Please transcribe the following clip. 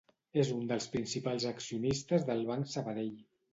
És un dels principals accionistes del Banc Sabadell.